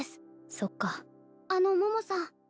そっかあの桃さん